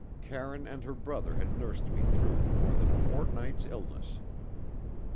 Karine and her brother had nursed me through more than a fortnight's illness.